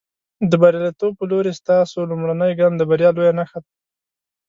د برياليتوب په لورې، ستاسو لومړنی ګام د بریا لویه نښه ده.